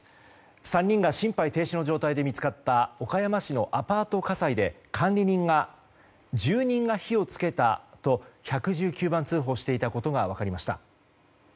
３人が心肺停止の状態で見つかった岡山市のアパート火災で管理人が住人が火を付けたと１１９番通報していたことが分かりました。